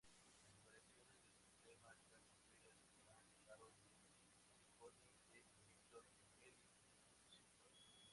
Las variaciones de su tema están incluidas en la "Carol Symphony", de Victor Hely-Hutchinson.